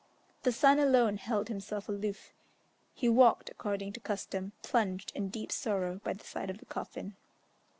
The son alone held himself aloof; he walked, according to custom, plunged in deep sorrow by the side of the coffin.